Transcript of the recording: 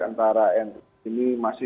antara nu ini